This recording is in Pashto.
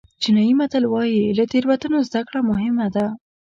چینایي متل وایي له تېروتنو زده کړه مهم ده.